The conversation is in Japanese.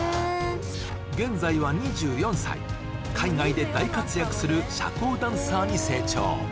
現在は２４歳海外で大活躍する社交ダンサーに成長